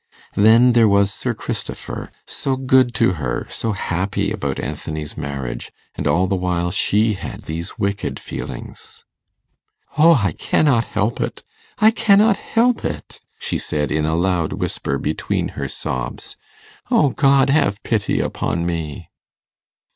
Then there was Sir Christopher so good to her so happy about Anthony's marriage; and all the while she had these wicked feelings. 'O, I cannot help it, I cannot help it!' she said in a loud whisper between her sobs. 'O God, have pity upon me!